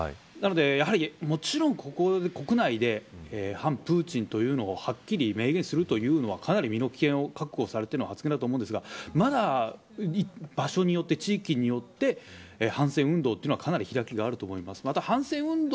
なので、もちろん国内で反プーチンというのをはっきり明言するというのはかなり身の危険を覚悟されての発言だと思いますがまだ場所によって、地域によって反戦運動はかなり開きがあると思います。